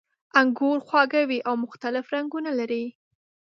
انګور خواږه وي او مختلف رنګونه لري.